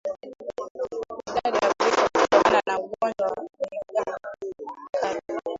Idadi ya vifo kutokana na ugonjwa wa ndigana kali